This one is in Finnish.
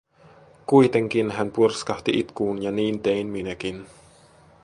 Kuitenkin hän purskahti itkuun ja niin tein minäkin.